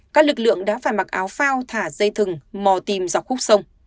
các lực lượng đã phải mặc áo phao thả dây thừng mò tìm dọc khúc sông